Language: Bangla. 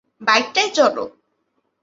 বাইকটায় চড়!